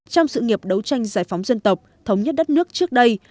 trong sự nghiệp đấu tranh giải phóng dân tộc thống nhất đất nước trước đây